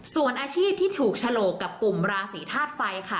ส่วนอาชีพที่ถูกฉลกกับกลุ่มราศีธาตุไฟค่ะ